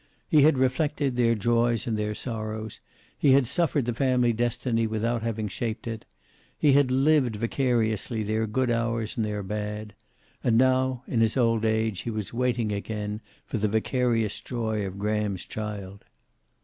He had reflected their joys and their sorrows. He had suffered the family destiny without having shaped it. He had lived, vicariously, their good hours and their bad. And now, in his old age, he was waiting again for the vicarious joy of Graham's child.